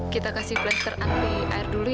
kita kasih pelet terakhir dulu ya yuk kita dulu aja